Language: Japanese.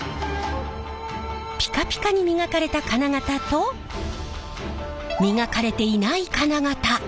ピカピカに磨かれた金型と磨かれていない金型。